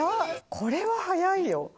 これは早いよ！